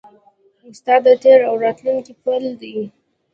استاد د تېر او راتلونکي پل دی.